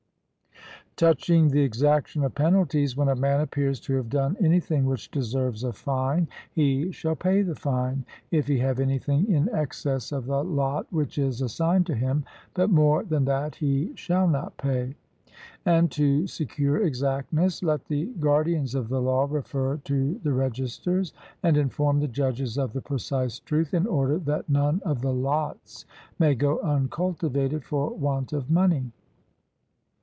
Touching the exaction of penalties, when a man appears to have done anything which deserves a fine, he shall pay the fine, if he have anything in excess of the lot which is assigned to him; but more than that he shall not pay. And to secure exactness, let the guardians of the law refer to the registers, and inform the judges of the precise truth, in order that none of the lots may go uncultivated for want of money.